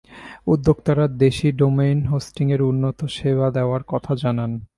উদ্যোক্তারা দেশি ডোমেইন হোস্টিংয়ে উন্নত সেবা দেওয়ার কথা জানান।